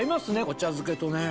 お茶漬けとね。